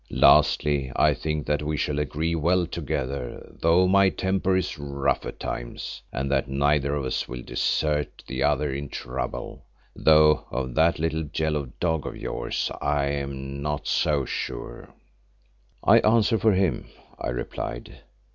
Lastly I think that we shall agree well together though my temper is rough at times, and that neither of us will desert the other in trouble, though of that little yellow dog of yours I am not so sure." "I answer for him," I replied.